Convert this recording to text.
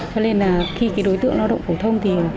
cho nên là khi cái đối tượng lao động phổ thông thì